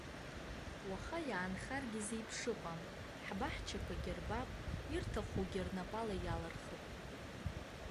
Уаха иаанхаргьы зеиԥшыҟам, ҳбаҳчақәагьы рбап, ирҭахугьы рнапала иалырхып.